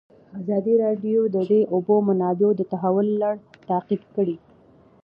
ازادي راډیو د د اوبو منابع د تحول لړۍ تعقیب کړې.